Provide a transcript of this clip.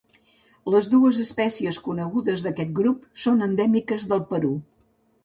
Les dues espècies conegudes d'aquest grup són endèmiques del Perú.